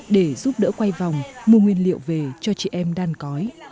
để giúp đỡ quay vòng mua nguyên liệu về cho chị em đan cói